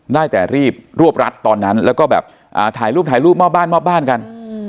ได้แต่รีบรวบรัดตอนนั้นแล้วก็แบบถ่ายรูปถ่ายรูปมอบบ้านมอบบ้านกัน